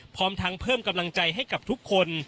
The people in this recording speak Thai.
พร้อมทั้งเพิ่มกำลังใจให้กับทุกคน